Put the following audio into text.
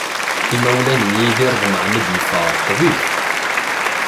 Imawlan n Yidir ḍemεen ad d-iffeɣ d ṭṭbib.